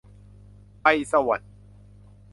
ไปสวรรค์